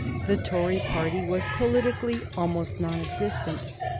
The Tory party was politically almost non existent.